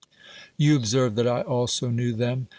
You observe that I also knew them.